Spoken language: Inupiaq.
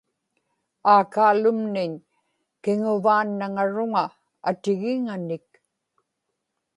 aakaalumniñ kiŋuvaannaŋaruŋa atigiŋanik